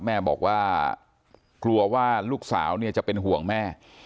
แม่บอกว่ากลัวว่าลูกสาวเนี่ยจะเป็นห่วงแม่